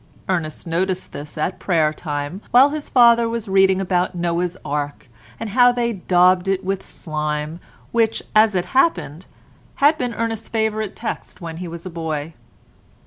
Ernest noticed this at prayer time, while his father was reading about Noah's ark and how they daubed it with slime, which, as it happened, had been Ernest's favourite text when he was a boy.